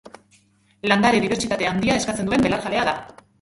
Landare-dibertsitate handia eskatzen duen belarjalea da.